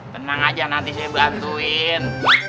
tenang aja nanti saya bantuin